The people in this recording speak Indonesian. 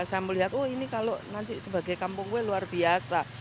saya melihat oh ini kalau nanti sebagai kampung gue luar biasa